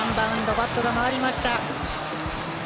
バットが回りました。